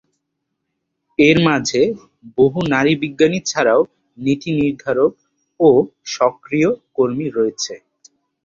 এর মাঝে বহু নারী বিজ্ঞানী ছাড়াও নীতি-নির্ধারক ও সক্রিয় কর্মী রয়েছে।